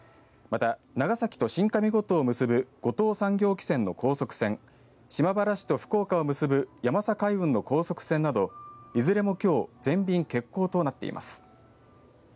また長崎と新上五島を結ぶ五島産業汽船の高速船、島原市と福岡を結ぶやまさ海運の高速船などいずれもきょう全便、欠航となっています。